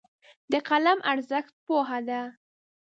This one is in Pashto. د قلم ارزښت پوهه ده.